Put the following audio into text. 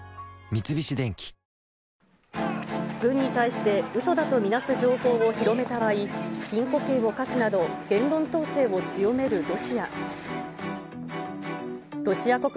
三菱電機軍に対して、うそだと見なす情報を広めた場合、禁錮刑を科すなど、言論統制を強めるロシア。